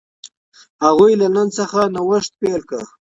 هغوی له نن څخه نوښت پیل کړ.